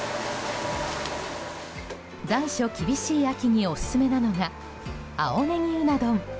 残暑厳しい秋にオススメなのが青ネギうな丼。